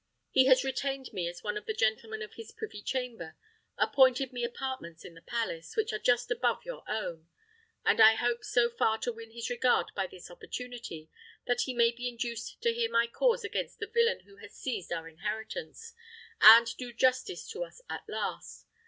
He has retained me as one of the gentlemen of his privy chamber, appointed me apartments in the palace, which are just above your own; and I hope so far to win his regard by this opportunity, that he may be induced to hear my cause against the villain who has seized our inheritance, and do justice to us at last.